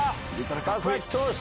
佐々木投手